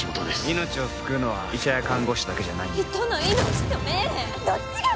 命を救うのは医者や看護師だけじゃないんで人の命と命令どっちが大事？